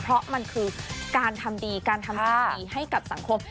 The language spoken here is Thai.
เพราะมันคือการทำดีให้กับสังคม